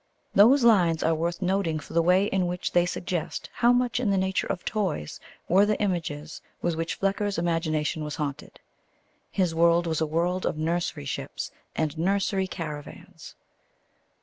Those lines are worth noting for the way in which they suggest' how much in the nature of toys were the images with which Flecker's imagination was haunted. His world was a world of nursery ships and nursery caravans.